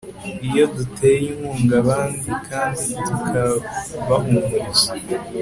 iyo duteye inkunga abandi kandi tukabahumuriza